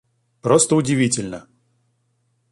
Просто удивительно!